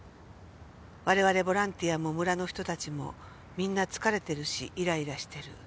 「我々ボランティアも村の人たちもみんな疲れてるしイライラしてる」